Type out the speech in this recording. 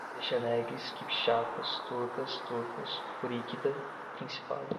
Pechenegues, quipchacos, turcas, turcos, ruríquida, Principado